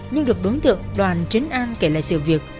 nhưng được đối tượng đoàn chấn an kể lại sự việc